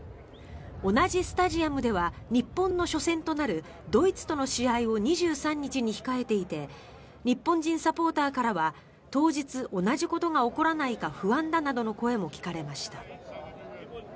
同じスタジアムでは日本の初戦となるドイツとの試合を２３日に控えていて日本人サポーターからは当日、同じことが起こらないか不安だなどの声が聞かれました。